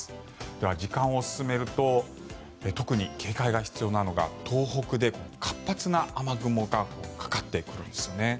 では、時間を進めると特に警戒が必要なのが東北で活発な雨雲がかかってくるんですよね。